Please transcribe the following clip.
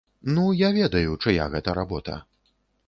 Ну, я ведаю, чыя гэта работа.